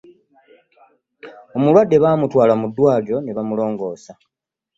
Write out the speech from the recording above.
Omulwadde bamutwala mu ddwaliro ne bamulongoosa.